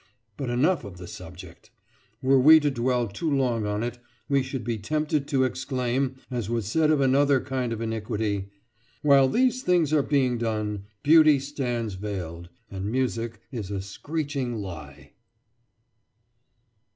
But enough of the subject! Were we to dwell too long on it, we should be tempted to exclaim, as was said of another kind of iniquity, "While these things are being done, beauty stands veiled, and music is a screeching lie."